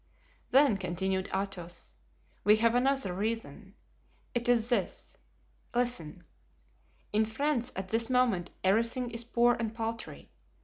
"Then," continued Athos, "we have another reason; it is this—listen: In France at this moment everything is poor and paltry.